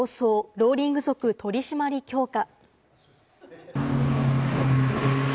ローリング族取り締まり強化。